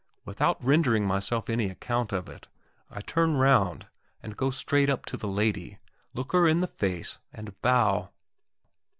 Without rendering myself any account of it, I turn round and go straight up to the lady, look her in the face, and bow.